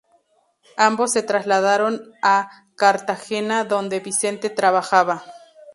Ambos se trasladaron a Cartagena, donde Vicente trabajaba.